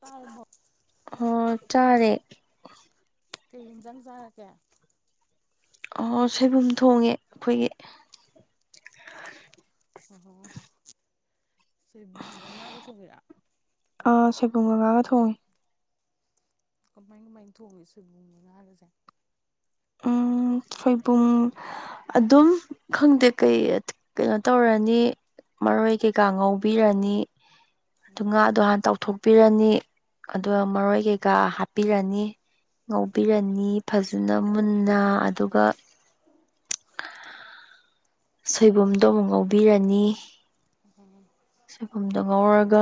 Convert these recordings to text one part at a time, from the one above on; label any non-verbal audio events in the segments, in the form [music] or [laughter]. ꯇꯥꯔꯕꯣ ꯍꯣ ꯆꯥꯔꯦ ꯀꯩ ꯌꯦꯟꯖꯥꯡ ꯆꯥꯔꯛꯀꯦ ꯑꯣ ꯁꯣꯏꯕꯨꯝ ꯊꯣꯡꯉꯦ ꯑꯩꯈꯣꯏꯒꯤ ꯑꯣ ꯍꯣ ꯁꯣꯏꯕꯨꯝꯒꯥ ꯉꯥꯒꯥ ꯊꯣꯡꯉꯤꯔꯥ ꯑꯥ ꯁꯦꯕꯨꯝꯒ ꯉꯥꯒ ꯊꯣꯡꯉꯦ ꯀꯃꯥꯏꯅ ꯀꯃꯥꯏꯅ ꯊꯣꯡꯉꯤ ꯁꯣꯏꯕꯨꯝꯒꯥ ꯉꯥꯒꯁꯦ ꯎꯝ ꯁꯣꯏꯕꯨꯝ ꯑꯗꯨꯝ ꯈꯪꯗꯦ ꯀꯩ ꯀꯩꯅꯣ ꯇꯧꯔꯅꯤ ꯃꯔꯣꯏ ꯀꯩꯀꯥ ꯉꯧꯕꯤꯔꯅꯤ ꯑꯗꯨ ꯉꯥꯗꯣ ꯍꯥꯟ ꯇꯥꯎꯊꯣꯛ ꯍꯥꯞꯄꯤꯔꯅꯤ ꯑꯗꯨꯒ ꯃꯔꯣꯏ ꯀꯩꯀꯥ ꯍꯥꯞꯄꯤꯔꯅꯤ ꯉꯧꯕꯤꯔꯅꯤ ꯐꯖꯅ ꯃꯨꯟꯅ ꯑꯗꯨꯒ ꯁꯣꯏꯕꯨꯝꯗꯣ ꯑꯃꯨꯛ ꯉꯧꯕꯤꯔꯅꯤ ꯎꯝ ꯁꯣꯏꯕꯨꯝꯗꯣ ꯉꯧꯔꯒ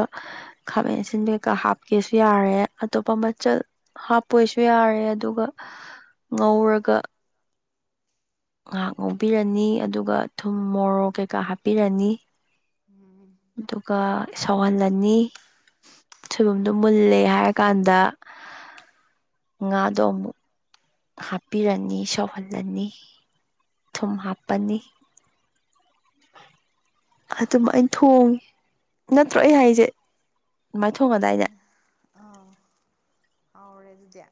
ꯈꯥꯕꯦꯟ ꯑꯁꯤꯟꯕꯤꯀꯩꯀ ꯍꯥꯞꯀꯦꯁꯨ ꯌꯥꯔꯦ ꯑꯇꯣꯞꯄ ꯃꯆꯜ ꯍꯥꯞꯄꯣꯏꯁꯨ ꯌꯥꯔꯦ ꯑꯗꯨꯒ ꯉꯧꯔꯒ ꯉꯥꯏꯍꯥꯛ ꯉꯧꯕꯤꯔꯅꯤ ꯑꯗꯨꯒ ꯊꯨꯝ ꯃꯣꯔꯣꯛ ꯀꯩꯀꯥ ꯍꯥꯞꯄꯤꯔꯅꯤ ꯎꯝ ꯑꯗꯨꯒ ꯁꯧꯍꯜꯂꯅꯤ ꯁꯣꯏꯕꯨꯝꯗꯣ ꯃꯨꯜꯂꯦ ꯍꯥꯏꯔꯀꯥꯟꯗ ꯉꯥꯗꯣ ꯑꯃꯨꯛ ꯍꯥꯞꯄꯤꯔꯅꯤ ꯁꯧꯍꯜꯂꯅꯤ ꯊꯨꯝ ꯍꯥꯞꯄꯅꯤ ꯑꯗꯨꯝꯃꯥꯏ ꯊꯣꯡꯉꯦ ꯅꯠꯇ꯭ꯔꯣ ꯑꯩ ꯍꯥꯏꯁꯦ ꯑꯗꯨꯃꯥꯏ ꯊꯣꯡꯉꯗꯥꯏꯅꯦ ꯃꯥꯅꯦ ꯑꯥ [inaudible] ꯑꯗꯨꯗꯤ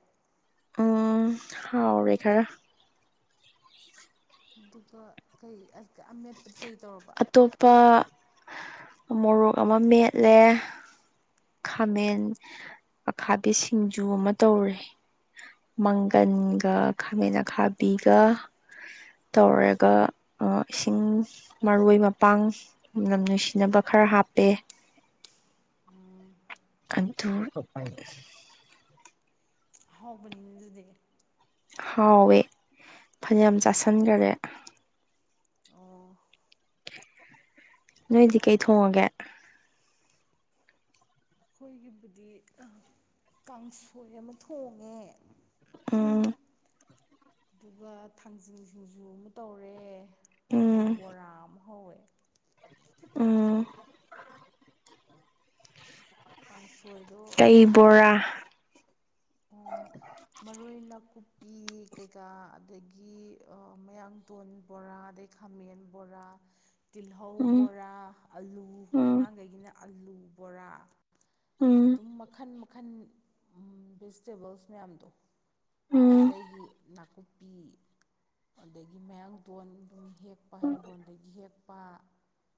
ꯎꯝ ꯍꯥꯎꯔꯦ ꯈꯔ ꯑꯗꯨꯒ ꯀꯩ ꯀꯑꯃꯦꯠꯄꯗꯤ ꯀꯩ ꯇꯧꯔꯕ ꯑꯇꯣꯞꯄ ꯃꯣꯔꯣꯛ ꯑꯃ ꯃꯦꯠꯂꯦ ꯈꯥꯃꯦꯟ ꯑꯈꯥꯕꯤ ꯁꯤꯡꯖꯨ ꯑꯃ ꯇꯧꯔꯦ ꯃꯪꯒꯟꯒ ꯈꯥꯃꯦꯟ ꯑꯈꯥꯕꯤꯒ ꯇꯧꯔꯒ ꯑ ꯏꯁꯤꯡ ꯃꯔꯣꯏ ꯃꯄꯥꯡ ꯃꯅꯝ ꯅꯨꯡꯁꯤꯅꯕ ꯈꯔ ꯍꯥꯞꯄꯦ ꯀꯟꯊ [inaudible] ꯍꯧꯕꯅꯤꯅꯦ ꯑꯗꯨꯗꯤ ꯍꯥꯎꯋꯦ ꯐꯅꯌꯥꯝ ꯆꯥꯁꯟꯈꯔꯦ ꯑꯣ ꯅꯣꯏꯗꯤ ꯀꯩ ꯊꯣꯡꯉꯒꯦ ꯑꯩꯈꯣꯏꯒꯤꯕꯨꯗꯤ ꯀꯥꯡꯁꯣꯏ ꯑꯃ ꯊꯣꯡꯉꯦ ꯎꯝ ꯑꯗꯨꯒ ꯊꯥꯡꯖꯤꯡ ꯁꯤꯡꯖꯨ ꯑꯃ ꯇꯧꯔꯦ ꯕꯣ ꯎꯝ ꯕꯣꯔꯥ ꯑꯃ ꯍꯧꯋꯦ ꯎꯝ ꯑꯗꯣ ꯀꯥꯡꯁꯣꯏꯗꯣ ꯀꯩ ꯕꯣꯔꯥ ꯃꯔꯣꯏ ꯅꯥꯀꯨꯞꯄꯤ ꯀꯩꯀꯥ ꯑꯗꯒꯤ ꯃꯌꯥꯡ ꯇꯣꯟ ꯕꯣꯔꯥ ꯑꯗꯩ ꯈꯥꯃꯦꯟ ꯕꯣꯔꯥ ꯇꯤꯜꯍꯧ ꯎꯝ ꯕꯣꯔꯥ ꯑꯂꯨ ꯎꯝ ꯑꯉꯥꯡꯈꯩꯒꯤꯅ ꯑꯂꯨ ꯕꯣꯔꯥ ꯎꯝ ꯑꯗꯨꯝ ꯃꯈꯟ ꯃꯈꯜ ꯎꯝ ꯚꯤꯖꯤꯇꯦꯕꯜꯁ ꯃꯌꯥꯝꯗꯣ ꯎꯝ ꯃꯤꯇꯩꯩꯒꯤ ꯅꯥꯀꯨꯞꯄꯤ ꯑꯗꯒꯤ ꯃꯌꯥꯡꯗꯣꯟ ꯑꯗꯨꯝ ꯍꯦꯛꯄ ꯍꯤꯡꯒꯣꯜꯗꯒꯤ ꯍꯦꯛꯄ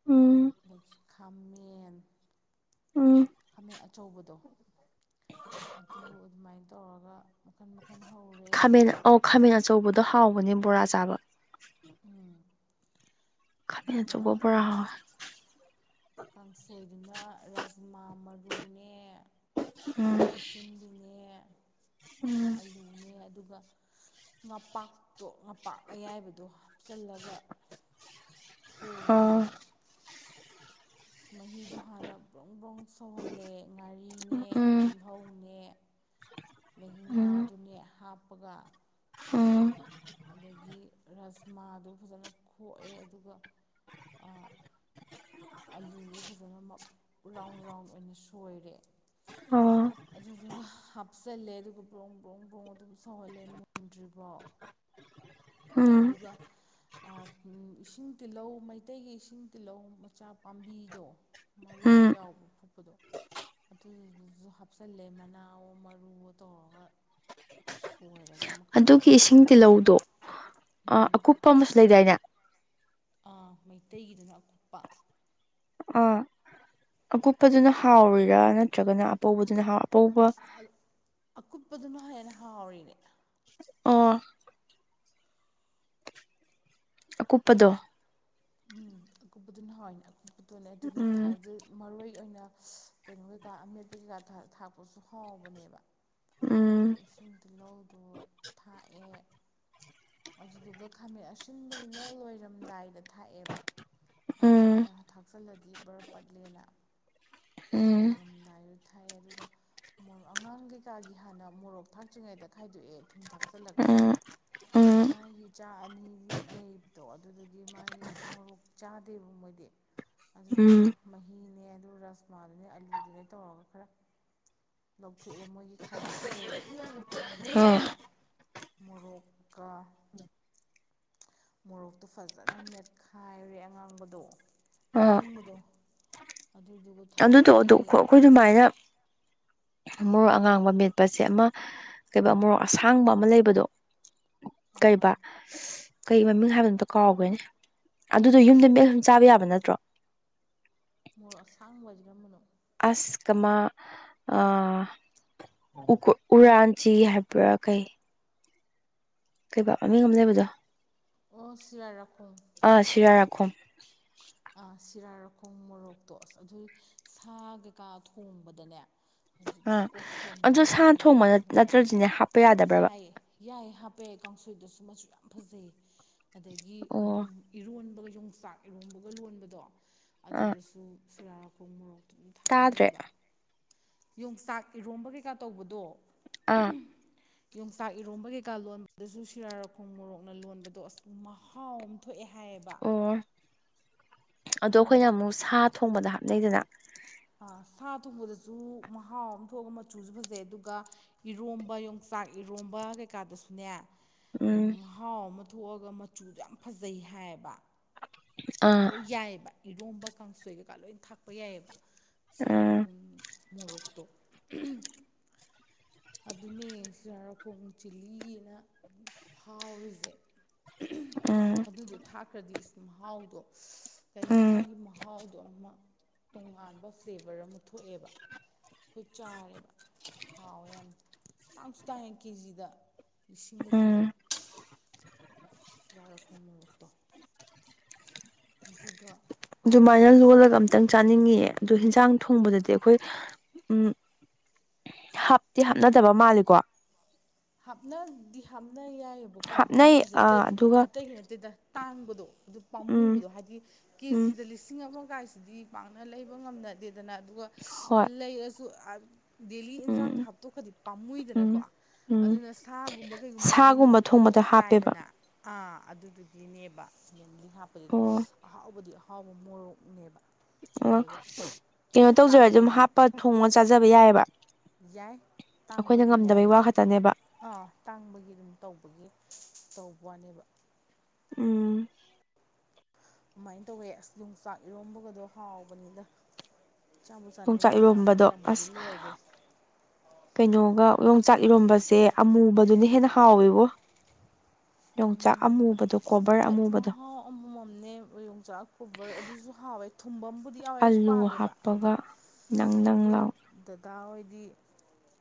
ꯎꯝ ꯑꯗꯒꯤ ꯈꯥꯃꯦꯟ ꯎꯝ ꯈꯥꯃꯦꯟ ꯑꯆꯧꯕꯗꯣ ꯑꯗꯨ ꯑꯗꯨꯃꯥꯏꯅ ꯇꯧꯔꯒ ꯃꯈꯟ ꯃꯈꯜ ꯍꯧꯔꯦ ꯈꯥꯃꯦꯟ ꯑꯧ ꯈꯥꯃꯦꯟ ꯑꯆꯧꯕꯗꯣ ꯍꯥꯎꯕꯅꯦ ꯕꯣꯔꯥ ꯆꯥꯕ ꯎꯝ ꯈꯥꯃꯦꯟ ꯑꯆꯧꯕ ꯕꯣꯔꯥ ꯍꯥꯎꯑꯦ ꯀꯥꯡꯁꯣꯏꯗꯨꯅ ꯔꯥꯖꯃꯥ ꯃꯔꯨꯅꯦ ꯎꯝ ꯈꯥꯃꯦꯟ ꯑꯁꯤꯟꯕꯤꯅꯦ ꯎꯝ ꯑꯂꯨꯅꯦ ꯑꯗꯨꯒ ꯉꯄꯥꯛꯇꯣ ꯉꯄꯥꯛ ꯑꯌꯥꯏꯕꯗꯣ ꯍꯥꯞꯆꯤꯜꯂꯒ ꯑꯥ ꯊꯣꯡꯉꯦ ꯏꯁ ꯃꯍꯤꯗꯣ ꯍꯥꯟꯅ ꯕ꯭ꯔꯨꯡ ꯕ꯭ꯔꯨꯡ ꯁꯧꯍꯜꯂꯦ ꯉꯥꯔꯤꯅꯦ ꯎꯝ ꯇꯤꯜꯍꯧꯅꯦ [inaudible] ꯑꯗꯒꯤ ꯎꯝ ꯉꯥꯗꯨꯅꯦ ꯍꯥꯞꯄꯒ ꯎꯝ ꯑꯗꯒꯤ ꯔꯁꯃꯥꯗꯣ ꯐꯖꯅ ꯈꯣꯛꯑꯦ ꯑꯗꯨꯒ ꯑꯥ ꯑꯂꯨꯗꯨ ꯐꯖꯅ ꯃ ꯔꯥꯎꯟ ꯔꯥꯎꯟ ꯑꯣꯏꯅ ꯁꯣꯏꯔꯦ ꯑꯥ ꯑꯗꯨꯗꯨꯒ ꯍꯥꯞꯆꯜꯂꯦ ꯑꯗꯨꯒ ꯕ꯭ꯔꯣꯡ ꯕ꯭ꯔꯣꯡ ꯕ꯭ꯔꯣꯡ ꯑꯗꯨꯝ ꯁꯧꯍꯜꯂꯦ ꯃꯨꯟꯗ꯭ꯔꯤꯕꯣꯛ ꯎꯝ ꯑꯗꯨꯒ ꯑꯥ ꯎꯝ ꯏꯁꯤꯡ ꯇꯤꯜꯍꯧ ꯃꯩꯇꯩꯒꯤ ꯏꯁꯤꯡ ꯇꯤꯜꯍꯧ ꯃꯆꯥ ꯄꯥꯝꯕꯤꯗꯣ ꯃꯔꯨꯒ ꯎꯝ ꯌꯥꯎꯕ ꯐꯨꯛꯄꯗꯣ ꯑꯗꯨꯗꯨꯁꯨ ꯍꯥꯞꯆꯜꯂꯦ ꯃꯅꯥꯑꯣ ꯃꯔꯨꯑꯣ ꯇꯧꯔꯒ ꯁꯣꯏꯔ ꯑꯗꯨꯒꯤ ꯏꯁꯤꯡ ꯇꯤꯜꯂꯧꯗꯣ ꯑ ꯑꯀꯨꯞꯄ ꯑꯃꯁꯨ ꯂꯩꯗꯥꯏꯅꯦ ꯑ ꯃꯩꯇꯩꯒꯤꯗꯨꯅ ꯑꯀꯨꯞꯄ ꯑꯥ ꯑꯀꯨꯞꯄꯗꯨꯅ ꯍꯥꯎꯔꯤꯔꯥ ꯅꯠꯇ꯭ꯔꯒꯅ ꯑꯄꯧꯕꯗꯨꯅ ꯍꯥꯎ ꯑꯄꯧꯕ ꯑ ꯑꯀꯨꯞꯄꯗꯨꯅ ꯍꯦꯟꯅ ꯍꯥꯎꯔꯤꯅꯦ ꯑꯣ ꯀꯨꯞꯄꯗꯣ ꯎꯝ ꯑꯀꯨꯞꯄꯗꯨꯅ ꯍꯥꯎꯋꯤꯅꯦ ꯑꯀꯨꯞꯄꯗꯨꯅꯦ ꯑꯗꯨꯅꯤ ꯎꯝ ꯊꯥꯏꯗꯨ ꯃꯔꯣꯏ ꯑꯣꯏꯅ ꯀꯩꯅꯣ ꯀꯩꯀꯥ ꯑꯃꯦꯠꯄ ꯀꯩꯀꯥ ꯊꯥ ꯊꯥꯛꯄꯁꯨ ꯍꯥꯎꯕꯅꯦꯕ ꯑꯗꯨ ꯎꯝ ꯏꯁꯤꯡ ꯇꯤꯜꯂꯧꯗꯣ ꯊꯥꯛꯑꯦ ꯑꯗꯨꯗꯨꯒ ꯈꯥꯃꯦꯟ ꯑꯁꯤꯟꯕꯗꯨꯅ ꯂꯣꯏꯔꯝꯗꯥꯏꯗ ꯊꯥꯛꯑꯦꯕ ꯍꯥꯏꯗꯤ ꯎꯝ ꯍꯥꯟꯅ ꯊꯥꯛꯆꯜꯂꯗꯤ ꯕꯔ ꯄꯠꯂꯦꯅ ꯎꯝ ꯂꯣꯏꯔꯝꯗꯥꯏꯗ ꯊꯥꯛꯑꯦ ꯑꯗꯨꯒ ꯃꯣꯔꯣꯛ ꯑꯉꯥꯡ ꯀꯩꯀꯥꯒꯤ ꯍꯥꯟꯅ ꯃꯣꯔꯣꯛ ꯊꯥꯛꯇ꯭ꯔꯤꯉꯩꯗ ꯈꯥꯏꯗꯣꯛꯑꯦ ꯊꯨꯝ ꯊꯥꯛ ꯆꯜꯂꯒ ꯎꯝ ꯎꯝ ꯑꯉꯥꯡꯒꯤ ꯏꯆꯥ ꯑꯅꯤ ꯂꯩ ꯇꯣ ꯑꯗꯨꯗꯨꯒꯤ ꯃꯥꯒꯤ ꯃꯣꯔꯣꯛ ꯆꯥꯗꯦꯕ ꯃꯣꯏꯗꯤ ꯑꯗꯨꯗꯨꯅ ꯎꯝ ꯃꯍꯤꯅꯦ ꯑꯗꯨꯒ ꯔꯁꯃꯥꯗꯨꯅꯦ ꯑꯂꯨꯗꯨꯅꯦ ꯇꯧꯔꯒ ꯈꯔ ꯂꯧꯊꯣꯛꯑꯦ ꯃꯣꯏꯒꯤ ꯈꯥꯏꯗꯣꯛꯈ꯭ꯔꯦ ꯑꯗꯨꯏ ꯑ ꯃꯇꯨꯡꯗ ꯃꯣꯔꯣꯛ ꯀꯥ ꯃꯣꯔꯣꯛꯇꯨ ꯐꯖꯅ ꯃꯦꯠꯈꯥꯏꯔꯦ ꯑꯉꯥꯡꯕꯗꯣ ꯑ ꯑꯀꯪꯕꯗꯣ ꯑꯗꯨꯗꯨꯒ ꯑꯗꯨꯗꯣ ꯊꯥꯛꯑꯦ ꯑꯗꯨ ꯈꯣ ꯑꯩꯈꯣꯏ ꯗꯨꯃꯥꯏꯅ ꯃꯣꯔꯣꯛ ꯑꯉꯥꯡꯕ ꯃꯦꯠꯄꯁꯦ ꯑꯃ ꯀꯩꯅꯣ ꯃꯣꯔꯣꯛ ꯑꯁꯥꯡꯕ ꯑꯃ ꯂꯩꯕꯗꯣ ꯀꯩꯕꯥ ꯀꯩ ꯃꯃꯤꯡ ꯍꯥꯏꯕꯅꯣꯇꯣ ꯀꯥꯎꯒ꯭ꯔꯦꯅꯦ ꯑꯗꯨꯗꯣ ꯌꯨꯝꯗ ꯃꯦꯠ ꯆꯥꯕ ꯌꯥꯕ ꯅꯠꯇ꯭ꯔꯣ ꯃꯣꯔꯣꯛ ꯑꯁꯥꯡꯕ ꯍꯥꯏꯖꯦ ꯀꯔꯝꯕꯅꯣ ꯑꯁ ꯀꯃꯥ ꯑ ꯎꯀꯨ ꯃꯣꯔꯣꯛ ꯎꯔꯥꯟ ꯆꯤ ꯍꯥꯏꯕ꯭ꯔꯥ ꯀꯩ ꯀꯩꯕꯥ ꯃꯃꯤꯡ ꯑꯃ ꯂꯩꯕꯗꯣ ꯑꯣ ꯁ꯭ꯋꯤꯔ ꯔꯈꯣꯡ ꯑꯥ ꯁꯤꯔꯥꯏ ꯔꯥꯈꯣꯡ ꯑ ꯁꯤꯔꯥꯔꯥꯈꯣꯡ ꯃꯣꯔꯣꯛꯇꯣ ꯑꯁ ꯑꯗꯨ ꯁꯥ ꯀꯩꯀꯥ ꯊꯣꯡꯕꯗꯅꯦ ꯑꯗꯨ ꯑꯥ ꯑꯣꯛ ꯑꯗꯨ ꯊꯣꯡꯕ ꯁꯥꯅ ꯑꯗꯒꯤ ꯉꯥ ꯊꯣꯡꯕ ꯅꯠꯇ꯭ꯔꯗꯤꯅꯦ ꯍꯥꯞꯄ ꯌꯥꯗꯕ꯭ꯔꯕ ꯌꯥꯏꯌꯦ ꯌꯥꯏ ꯍꯥꯞꯄꯦ ꯀꯥꯡꯁꯣꯏꯗꯁꯨ ꯃꯆꯨ ꯌꯥꯝ ꯐꯖꯩꯌꯦ ꯑꯗꯒꯤ ꯑꯣ ꯎꯝꯎꯝ ꯏꯔꯣꯟꯕꯒ ꯌꯣꯡꯆꯥꯛ ꯏꯔꯣꯝꯕꯒ ꯂꯣꯟꯕꯗꯣ ꯑꯥ ꯑꯗꯨꯗꯁꯨ ꯁꯤꯔꯥꯔꯥꯈꯣꯡ ꯃꯣꯔꯣꯛ ꯑꯗꯨꯝ ꯇꯥꯗ꯭ꯔꯦ ꯊꯥꯛꯅꯩꯑꯦꯕ ꯌꯣꯡꯆꯥꯛ ꯏꯔꯣꯝꯕ ꯀꯩꯀꯥ ꯇꯧꯕꯗꯣ ꯑꯥ [unintelligible] ꯌꯣꯡꯆꯥꯛ ꯏꯔꯣꯝꯕ ꯀꯩꯀꯥ ꯂꯣꯟꯕꯗꯁꯨ ꯁꯤꯔꯥꯔꯈꯣꯡ ꯃꯣꯔꯣꯛꯅ ꯂꯣꯟꯕꯗꯣ ꯑꯁ ꯃꯍꯥꯎ ꯑꯃ ꯊꯣꯛꯑꯦ ꯍꯥꯏꯌꯦꯕ ꯑꯣ ꯑꯗꯣ ꯑꯩꯈꯣꯏꯅ ꯈꯪꯕ꯭ꯔꯥ ꯑꯃꯨꯛ ꯁꯥ ꯊꯣꯡꯕꯗ ꯍꯥꯞꯅꯩꯗꯅ ꯑ ꯁꯥ ꯊꯣꯡꯕꯗꯁꯨ ꯃꯍꯥꯎ ꯑꯃ ꯊꯣꯛꯑꯒ ꯃꯆꯨꯁꯨ ꯐꯖꯩ ꯑꯗꯨꯒ ꯏꯔꯣꯝꯕ ꯌꯣꯡꯆꯥꯛ ꯏꯔꯣꯝꯕ ꯀꯩꯀꯥꯗꯁꯨꯅꯦ ꯎꯝ ꯃꯍꯥꯎ ꯑꯃ ꯊꯣꯛꯑꯒ ꯃꯆꯨꯁꯨ ꯌꯥꯝ ꯐꯖꯩ ꯍꯥꯏꯌꯦꯕ ꯑꯥ ꯂꯣꯏ ꯌꯥꯏꯑꯦꯕ ꯏꯔꯣꯝꯕ ꯀꯥꯡꯁꯣꯏ ꯀꯩꯀꯥ ꯂꯣꯏ ꯊꯥꯛꯄ ꯌꯥꯏꯑꯦꯕ ꯎꯝ ꯁꯤꯔꯥꯔꯈꯣꯡ ꯃꯣꯔꯣꯛꯇꯣ ꯑꯗꯨꯅꯦ ꯁꯤꯔꯔꯈꯣꯡ ꯆꯤꯜꯂꯤꯅ ꯐꯥꯎꯔꯤꯁꯦ ꯎꯝ ꯑꯗꯨꯗꯣ ꯊꯥꯛꯈ꯭ꯔꯗꯤ ꯏꯁ ꯃꯍꯥꯎꯗꯣ ꯀꯩ ꯍꯥꯏꯅꯤ ꯎꯝ ꯃꯥꯒꯤ ꯃꯍꯥꯎ ꯃꯍꯥꯎꯗꯣ ꯑꯃ ꯇꯣꯉꯥꯟꯕ ꯐ꯭ꯂꯦꯕꯔ ꯑꯃ ꯊꯣꯛꯑꯦꯕ ꯑꯩꯈꯣꯏ ꯆꯥꯔꯦꯕ ꯍꯥꯎꯋꯦ ꯌꯥꯝ ꯇꯥꯡꯁꯨ ꯇꯥꯡꯉꯦ ꯀꯦꯖꯤꯗ ꯂꯤꯁꯤꯡꯒ ꯄꯤꯕꯅꯦ ꯎꯝ ꯁꯔꯔꯥꯔꯛꯈꯣ ꯃꯣꯔꯣꯛꯇꯣ ꯑꯗꯨꯒ ꯑꯗꯨꯃꯥꯏꯅ ꯀꯥꯡꯁꯣꯏꯗꯁꯨ ꯂꯣꯜꯂꯒ ꯊꯥꯛꯑꯦ ꯑꯝꯇꯪ ꯃꯆꯨ ꯐꯖꯩ ꯆꯥꯅꯤꯡꯉꯤꯌꯦ ꯑꯗꯨꯣ ꯍꯤꯟꯖꯥꯡ ꯊꯣꯡꯕꯗꯗꯤ ꯑꯩꯈꯣꯏ ꯎꯝ ꯍꯥꯞꯇꯤ ꯍꯥꯞꯅꯗꯕ ꯃꯥꯜꯂꯤꯀꯣ ꯍꯥꯞꯅꯗꯤ ꯍꯥꯞꯅ ꯌꯥꯏꯑꯦꯕꯀꯣ ꯍꯥꯞꯅꯩ ꯍꯥꯞꯅꯗ꯭ꯔꯤꯁꯦ ꯑꯥ ꯑꯇꯩ ꯑꯗꯨꯒ ꯑꯇꯩꯒꯤ ꯅꯠꯇꯦꯗ ꯇꯥꯡꯕꯗꯣ ꯑꯗꯨ ꯎꯝ ꯄꯥꯝꯃꯨꯕꯗꯣ ꯍꯥꯏꯗꯤ ꯎꯝ ꯀꯦꯖꯤꯗ ꯂꯤꯁꯤꯡ ꯑꯃ ꯀꯥꯏꯁꯤꯗꯤ ꯄꯥꯛꯅ ꯂꯩꯕ ꯉꯝꯅꯗꯦꯗꯅ ꯑꯗꯨꯒ ꯍꯣꯏ ꯂꯩꯔꯁꯨ ꯑ ꯗꯦꯂꯤ ꯏꯟꯖꯥꯡꯗ ꯎꯝ ꯍꯥꯞꯇꯣꯛꯈ꯭ꯔꯗꯤ ꯄꯥꯝꯃꯨꯏꯗꯅꯀꯣ ꯎꯝ ꯎꯝ ꯑꯗꯨꯅ ꯁꯥꯒꯨꯝꯕ ꯀꯩꯒꯨꯝꯕꯁꯤꯗꯤ ꯁꯥꯒꯨꯝꯕ ꯅꯣꯡ ꯐꯥꯗꯣꯛ ꯊꯣꯡꯕꯗ ꯍꯥꯞꯄꯦꯕ ꯆꯥꯏꯗꯅ ꯑꯥ ꯑꯗꯨꯗꯨꯒꯤꯅꯦꯕ ꯃꯦꯟꯂꯤ ꯍꯥꯞꯇ꯭ꯔꯤꯗꯨ ꯑꯣ ꯑꯍꯥꯎꯕꯗꯤ ꯑꯍꯥꯎꯕ ꯃꯣꯔꯣꯛꯅꯦꯕ ꯑꯣ ꯑꯗꯨꯗ ꯀꯩꯅꯣ ꯇꯧꯖꯔꯗꯤ ꯑꯗꯨꯝ ꯇꯥꯡꯕꯒꯤ ꯍꯥꯞꯄ ꯊꯣꯡꯉ ꯆꯥꯖꯕ ꯌꯥꯏꯑꯦꯕ ꯌꯥꯏ ꯇꯥꯡꯕꯒꯤꯅꯤ ꯉꯝꯗꯕꯩ ꯋꯥ ꯈꯛꯇꯅꯦꯕ ꯑꯥ ꯇꯥꯡꯕꯒꯤ ꯑꯗꯨꯝ ꯇꯧꯕꯒꯤ ꯇꯧꯕ ꯋꯥꯅꯦꯕ ꯎꯝ ꯑꯗꯨꯃꯥꯏꯅ ꯇꯧꯋꯦ ꯑꯁ ꯌꯣꯡꯆꯥꯛ ꯏꯔꯣꯝꯕꯒꯗꯣ ꯍꯥꯎꯕꯅꯤꯗ ꯆꯥꯕꯨ ꯆꯥꯅꯤꯉꯦ ꯌꯣꯡꯆꯥꯛ ꯏꯔꯣꯝꯕꯗꯣ ꯃꯇꯝꯕꯨꯗꯤ ꯑꯁ ꯂꯣꯏꯒ꯭ꯔꯦ ꯀꯩꯅꯣꯒ ꯌꯣꯡꯆꯥꯛ ꯏꯔꯣꯝꯕꯁꯦ ꯑꯃꯨꯕꯗꯨꯅ ꯍꯦꯟꯅ ꯍꯥꯎꯋꯦꯕꯣ ꯌꯣꯡꯆꯥꯛ ꯑꯗꯨ ꯑꯃꯨꯕꯗꯣ ꯀꯣꯕꯔ ꯍꯣꯏ ꯑꯃꯨꯕꯗꯣ ꯃꯍꯥꯎ ꯑꯃꯃꯝꯅꯦ ꯌꯣꯡꯆꯥꯛ ꯀꯨꯕꯔ ꯑꯗꯨꯁꯨ ꯍꯥꯎꯋꯦ ꯊꯨꯝꯕꯝ ꯗꯥ ꯌꯥꯎꯋꯦ ꯑꯩꯁꯨ ꯑꯂꯨ ꯄꯥꯝꯃꯦꯕ ꯑꯗꯣ ꯍꯥꯞꯄꯒ ꯅꯪ ꯅꯪ ꯂꯥꯎ ꯑꯩꯈꯣꯏ ꯗꯗꯥ ꯍꯣꯏꯗꯤ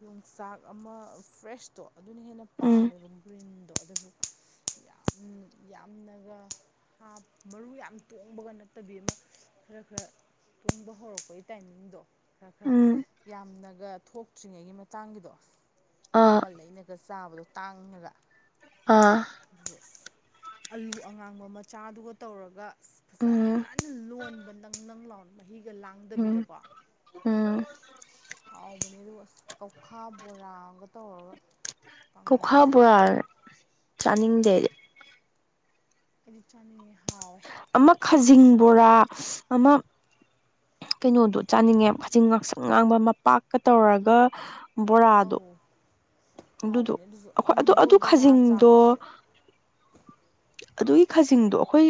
ꯌꯣꯡꯆꯥꯛ ꯑꯃ ꯐ꯭ꯔꯦꯁꯇꯣ ꯑꯗꯨꯅ ꯍꯦꯟꯅ ꯎꯝ ꯄꯥꯝꯃꯦꯕ ꯀ꯭ꯔꯤꯟꯗꯣ ꯑꯗꯨꯁꯨ [inaudible] ꯌꯥꯝ ꯌꯥꯝꯅꯒ ꯍꯥꯞ ꯃꯔꯨ ꯌꯥꯝ ꯇꯣꯡꯕꯒ ꯅꯠꯇꯕꯤ ꯑꯃ ꯈꯔ ꯈꯔ ꯇꯣꯡꯕ ꯍꯧꯔꯛꯄꯩ ꯇꯥꯏꯃꯤꯡꯗꯣ ꯈꯔ ꯈꯔ ꯎꯝ ꯌꯥꯝꯅꯒ ꯊꯣꯛꯇ꯭ꯔꯤꯉꯩꯒꯤ ꯃꯇꯥꯡꯒꯤꯗꯣ ꯑꯥ ꯃꯃꯜ ꯂꯩꯅ ꯒ ꯆꯥꯕꯗꯣ ꯇꯥꯡꯉꯒ ꯑꯥ ꯑꯗꯨꯕꯨ ꯑꯁ ꯑꯂꯨ ꯑꯉꯥꯡꯕ ꯃꯆꯥꯗꯨꯒ ꯇꯧꯔꯒ ꯎꯝ ꯐꯖꯅ ꯂꯣꯟꯕ ꯅꯪ ꯅꯪ ꯂꯥꯎꯅ ꯃꯍꯤꯒ ꯎꯝ ꯂꯥꯡꯗꯕꯤꯗꯀꯣ ꯎꯝ ꯍꯥꯎꯕꯅꯦ ꯑꯗꯨ ꯑꯁ ꯀꯧꯈꯥ ꯕꯣꯔꯥ ꯑꯝꯒ ꯇꯧꯔꯒ ꯀꯧꯈꯥ ꯀꯥꯡꯉꯧꯁꯨ ꯕꯣꯔꯥ ꯆꯥꯅꯤꯡꯗꯦ ꯑꯩꯗꯤ ꯑꯩꯗꯤ ꯆꯥꯅꯤꯡꯉꯦ ꯍꯥꯎꯑꯦ ꯑꯃ ꯈꯖꯤꯡ ꯕꯣꯔꯥ ꯑꯃ ꯀꯩꯅꯣꯗꯣ ꯆꯥꯅꯤꯡꯉꯦ ꯈꯖꯤꯡ ꯉꯪꯁꯪ ꯉꯥꯡꯕ ꯃꯄꯥꯛꯀ ꯇꯧꯔꯒ ꯕꯣꯔꯥꯗꯣ ꯑꯧ ꯑꯗꯨꯗꯣ ꯍꯥꯎꯕꯅꯦ ꯑꯗꯨꯁꯨ ꯑꯩꯈꯣꯏ ꯑꯗꯨ ꯅꯝꯕꯣꯜ ꯑꯗꯨ ꯕꯣꯔꯥ ꯈꯖꯤꯡꯗꯣ ꯆꯥꯕꯗꯨꯁꯨ ꯑꯗꯨꯒꯤ ꯈꯖꯤꯡꯗꯣ ꯑꯩꯈꯣꯏ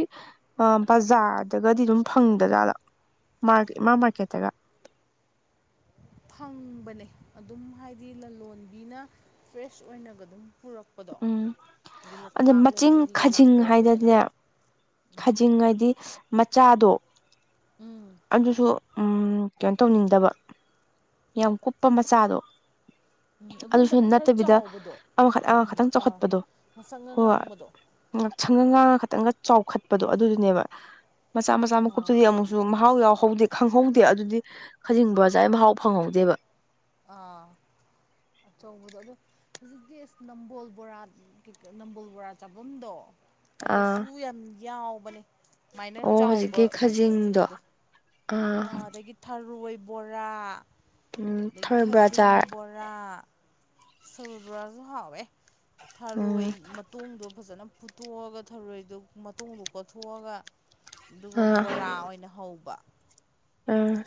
ꯑ ꯕꯖꯥꯔꯗꯒꯗꯤ ꯑꯗꯨꯝ ꯐꯪꯗꯖꯥꯠꯂ ꯃꯥ ꯏꯃꯥ ꯃꯥꯔꯀꯦꯠꯇꯒ ꯐꯪꯕꯅꯦ ꯑꯗꯨꯝ ꯍꯥꯏꯗꯤ ꯂꯂꯣꯟꯕꯤꯅ ꯐ꯭ꯔꯦꯁ ꯑꯣꯏꯅꯒ ꯑꯗꯨꯝ ꯄꯨꯔꯛ ꯄꯗꯣ ꯎꯝ ꯑꯗꯩ ꯑꯗ ꯂꯣꯛꯇꯥꯛ ꯃꯆꯤꯡ ꯂꯣꯝꯗꯒꯤꯒ ꯈꯥꯖꯤꯡ ꯂꯥꯛꯄ ꯍꯥꯏꯗꯅꯦ ꯌꯥꯎꯏꯗꯅꯀꯣ ꯈꯥꯖꯤꯡ ꯍꯥꯏꯗꯤ ꯃꯆꯥꯗꯣ ꯎꯝ ꯑꯗꯨꯁꯨ ꯎꯝ ꯀꯩꯅꯣ ꯇꯧꯅꯤꯡꯗꯕ ꯌꯥꯝ ꯀꯨꯞꯄ ꯃꯆꯥꯗꯣ ꯎꯝ ꯑꯗꯨ ꯑꯗꯨꯁꯨ ꯅꯠꯇꯕ ꯈꯔ ꯅꯠꯇꯕꯤꯗ ꯆꯥꯎꯕꯗꯣ ꯑꯃꯈꯠ ꯑꯗꯨꯝ ꯑꯃꯈꯠꯇꯪ ꯑꯥ ꯆꯥꯎꯈꯠꯄꯗꯣ ꯃꯁꯛꯒ ꯍꯣꯏ ꯉꯥꯡꯕꯗꯣ ꯉꯛꯁꯪꯒ ꯉꯥꯡꯉ ꯈꯇꯪꯒ ꯆꯥꯎꯈꯠꯄꯗꯣ ꯑꯗꯨꯗꯨꯅꯦꯕ ꯃꯆꯥ ꯃꯆꯥ ꯑꯥ ꯃꯀꯨꯞꯇꯨꯗꯤ ꯑꯃꯨꯛ ꯖꯨ ꯃꯍꯥꯎ ꯌꯥꯎꯍꯧꯗꯦ ꯈꯪꯍꯧꯗꯦ ꯑꯗꯨꯗꯤ ꯈꯖꯤꯡ ꯕꯣꯔꯥ ꯆꯥꯏ ꯃꯍꯥꯎ ꯐꯪꯍꯧꯗꯦꯕ ꯑꯥ ꯑꯆꯧꯕꯗꯣ ꯑꯗꯨ ꯍꯧꯖꯤꯛꯇꯤ ꯑꯁ ꯅꯝꯕꯣꯜ ꯕꯣꯔꯥ ꯀꯩꯀꯥ ꯅꯝꯕꯣꯜ ꯕꯣꯔꯥ ꯆꯥꯕꯝꯗꯣ ꯑꯥ ꯑꯗꯨꯁꯨ ꯌꯥꯝ ꯌꯥꯎꯕꯅꯦ ꯃꯥꯏꯅ ꯑꯣ ꯆꯥꯎꯕ ꯍꯧꯖꯤꯛꯀꯤ ꯈꯥꯖꯤꯡꯗꯣ ꯈꯖꯤꯡꯗꯣ ꯑꯥ ꯑ ꯑꯗꯒꯤ ꯊꯔꯣꯏ ꯕꯣꯔꯥ ꯎꯝ ꯑꯗꯒꯤ ꯊꯔꯣꯏ ꯕꯣꯔꯥ ꯈꯖꯤꯡ ꯆꯥꯔ ꯕꯣꯔꯥ ꯂꯥ ꯊꯔꯣꯏ ꯕꯣꯔꯥꯖꯨ ꯍꯥꯎꯑꯦ ꯊꯔꯣꯏ ꯎꯝ ꯃꯠ ꯇꯣꯡꯗꯣ ꯐꯖꯅ ꯐꯨꯠꯇꯣꯛꯑꯒ ꯊꯔꯣꯏꯗꯣ ꯃꯇꯣꯡꯗꯣ ꯀꯣꯠꯊꯣꯛꯑꯒ ꯑꯗꯨꯒ ꯑꯥ ꯕꯣꯔꯥ ꯑꯣꯏꯅ ꯍꯧꯕ ꯑ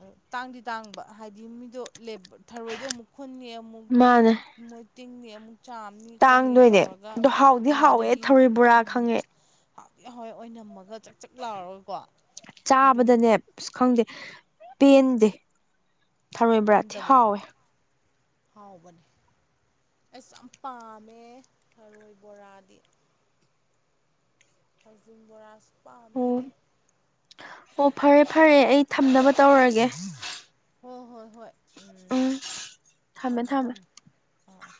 ꯑ ꯇꯥꯡꯗꯤ ꯇꯥꯡꯕ ꯍꯥꯏꯗꯤ ꯃꯤꯗꯣ ꯂꯦꯕ ꯊꯔꯣꯏꯗꯣ ꯑꯃꯨꯛ ꯈꯨꯟꯅꯤ ꯑꯃꯨꯛ ꯃꯥꯅꯦ ꯃꯣꯏ ꯇꯤꯡꯅꯤ ꯑꯃꯨꯛ ꯆꯥꯝꯅꯤ ꯈꯣꯠꯅꯤ ꯇꯥꯡꯗꯣꯏꯅꯦ ꯇꯧꯔꯒ ꯑꯗꯣ ꯍꯥꯎꯗꯤ ꯑꯥ ꯍꯥꯎꯋꯦ ꯑꯗꯒꯤ ꯊꯔꯣꯏ ꯕꯣꯔꯥ ꯎꯝ ꯈꯪꯉꯦ ꯍꯥꯎꯗꯤ ꯍꯥꯎꯑꯦ ꯑꯣꯏꯅꯝꯃꯒ ꯆꯛ ꯆꯛ ꯂꯥꯎꯔꯒꯀꯣ ꯑꯗꯨꯅꯦ ꯆꯥꯕꯗꯅꯦ ꯑꯁ ꯈꯪꯗꯦ ꯄꯦꯟꯗꯦ ꯊꯔꯣꯏ ꯕꯣꯔꯥ ꯊꯤ ꯄꯦꯟꯗꯕꯅꯦ ꯍꯥꯎꯋꯦ ꯍꯥꯎꯕꯅꯦ ꯑꯩꯁꯨ ꯌꯥꯝ ꯄꯥꯝꯃꯦ ꯊꯔꯣꯏ ꯕꯣꯔꯥꯗꯤ ꯈꯖꯤꯡ ꯕꯣꯔꯥꯁꯨ ꯄꯥꯝꯃꯦ ꯑꯣ ꯑꯣ ꯐꯔꯦ ꯐꯔꯦ ꯑꯩ ꯊꯝꯅꯕ ꯇꯧꯔꯒꯦ ꯍꯣꯏ ꯍꯣꯏ ꯍꯣꯏ ꯎꯝ ꯊꯝꯃꯦ ꯊꯝꯃꯣ ꯊꯝꯃꯦ ꯊꯝꯃꯣ ꯑ ꯑ